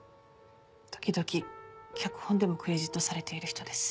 時々脚本でもクレジットされている人です。